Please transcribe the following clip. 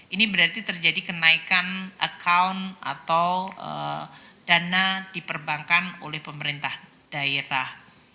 ini berarti terjadi kenaikan account atau dana di perbankan oleh pemerintah daerah